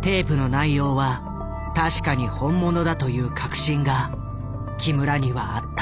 テープの内容は確かに本物だという確信が木村にはあった。